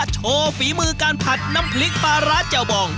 โชว์ฝีมือการผัดน้ำพริกปลาร้าแจ่วบอง